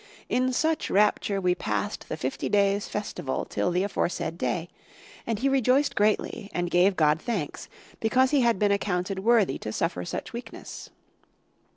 In such rapture we passed the fifty days' festival(4) till the aforesaid day; and he rejoiced greatly and gave God thanks, because he had been accounted worthy to suffer such weakness.